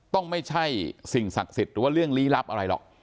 ต้องไม่ใช่สิ่งศักดิ์สิทธิ์หรือว่าเรื่องลี้ลับอะไรหรอก